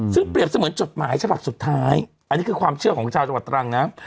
ซึ่งเปรียบเสมือนจดหมายฉบับสุดท้ายอันนี้คือความเชื่อของชาวจังหวัดตรังนะ